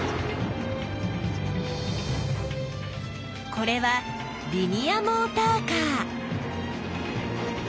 これはリニアモーターカー。